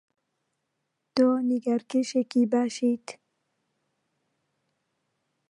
تۆ نیگارکێشێکی باشیت.